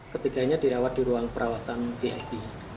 ketiganya dirawat di ruang perawatan vip